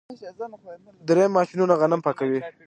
دریم ماشینونه غنم پاکوي.